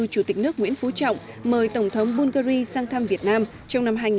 chủ tịch nước nguyễn phú trọng mời tổng thống bungary sang thăm việt nam trong năm hai nghìn hai mươi